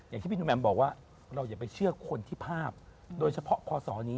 อย่างที่พี่นุแมมบอกว่าเราอย่าไปเชื่อคนที่ภาพ